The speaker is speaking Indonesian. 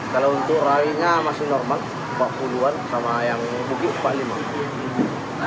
kalau untuk rainya masih normal empat puluh an sama yang bukit empat puluh lima